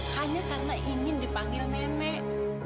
hanya karena ingin dipanggil nenek